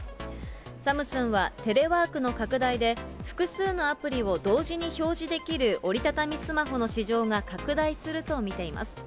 サムスンはテレワークの拡大で、複数のアプリを同時に表示できる折り畳みスマホの市場が拡大すると見ています。